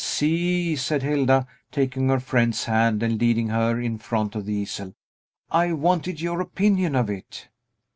"See!" said Hilda, taking her friend's hand, and leading her in front of the easel. "I wanted your opinion of it."